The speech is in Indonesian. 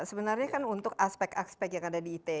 sebenarnya kan untuk aspek aspek yang ada di it